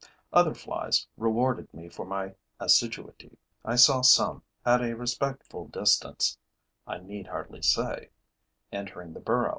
Other flies rewarded me for my assiduity. I saw some at a respectful distance, I need hardly say entering the burrow.